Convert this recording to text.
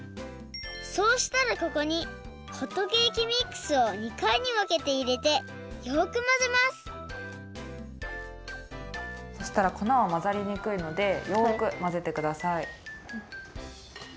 そうしたらここにホットケーキミックスを２かいにわけていれてよくまぜますそしたらこなはまざりにくいのでよくまぜてください。